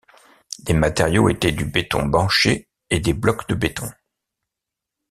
Les matériaux étaient du béton banché et des blocs de béton.